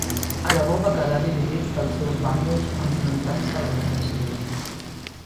Aragó va quedar dividit pels dos bàndols enfrontats de la Guerra Civil.